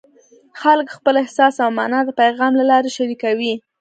خلک خپل احساس او مانا د پیغام له لارې شریکوي.